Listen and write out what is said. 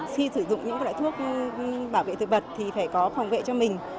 khi sử dụng những loại thuốc bảo vệ thực vật thì phải có phòng vệ cho mình